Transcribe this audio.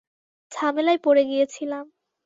ঝামেলায় পড়ে গিয়েছিলাম।